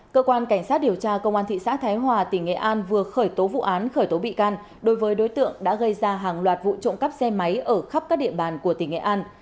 cơ quan cảnh sát điều tra công an thị xã thái hòa tỉnh nghệ an vừa khởi tố vụ án khởi tố bị can đối với đối tượng đã gây ra hàng loạt vụ trộm cắp xe máy ở khắp các địa bàn của tỉnh nghệ an